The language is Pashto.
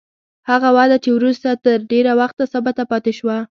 هغه وده چې وروسته تر ډېره وخته ثابته پاتې شوه.